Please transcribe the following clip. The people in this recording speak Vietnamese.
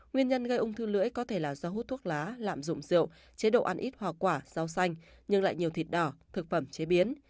nguyên nhân gây ung thư lưỡi có thể là do hút thuốc lá lạm dụng rượu chế độ ăn ít hoa quả rau xanh nhưng lại nhiều thịt đỏ thực phẩm chế biến